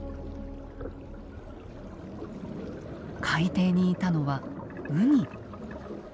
海底にいたのはウニ。